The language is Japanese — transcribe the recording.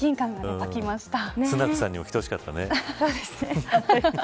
スナクさんにも見てほしかったね。